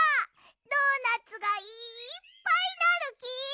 ドーナツがいっぱいなるき。